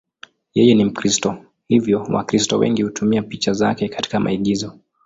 Yeye ni Mkristo, hivyo Wakristo wengi hutumia picha zake katika maigizo.